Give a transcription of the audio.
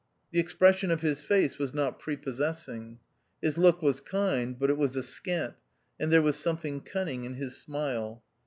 The expres sion of his face was not prepossessing. His look was kind, but it was askant, and there was something cunning in his smile.